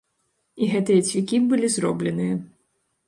І гэтыя цвікі былі зробленыя.